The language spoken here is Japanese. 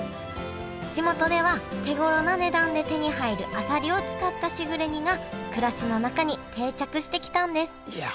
地元では手ごろな値段で手に入るあさりを使ったしぐれ煮が暮らしの中に定着してきたんですいや